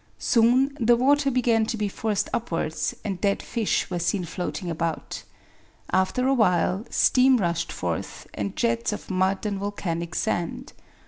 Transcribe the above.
Soon the water began to be forced upwards, and dead fish were seen floating about. After a while, steam rushed forth, and jets of mud and volcanic sand.